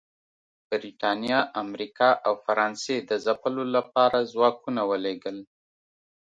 برېټانیا، امریکا او فرانسې د ځپلو لپاره ځواکونه ولېږل